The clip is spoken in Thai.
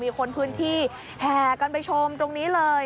คนพื้นที่แห่กันไปชมตรงนี้เลย